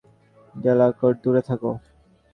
Delacorte, দূরে থাকো!